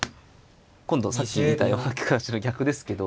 今度はさっき見たような利かしの逆ですけど。